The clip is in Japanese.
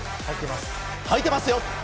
はいてますよ。